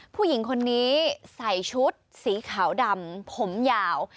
ผู้หญิงคนนี้ใส่ชุดสีขาวดำผมยาว